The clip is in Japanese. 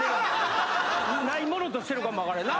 ないものとしてるかもわからんな。